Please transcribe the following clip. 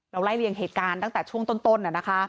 เราไล่เรียงเหตุการณ์ตั้งแต่ช่วงต้นเนี่ยนะคะ